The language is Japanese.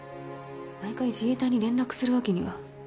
毎回自衛隊に連絡するわけには。